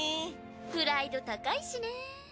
プライド高いしね。